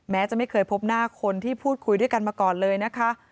จะไม่เคยพบหน้าคนที่พูดคุยด้วยกันมาก่อนเลยนะคะ